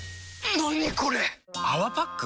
何これ⁉「泡パック」？